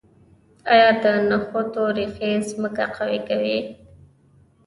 آیا د نخودو ریښې ځمکه قوي کوي؟